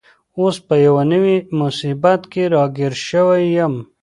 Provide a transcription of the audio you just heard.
اوس په یوه نوي مصیبت کي راګیر شوی یم.